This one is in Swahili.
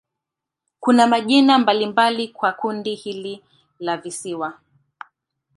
Kuna majina mbalimbali kwa kundi hili la visiwa.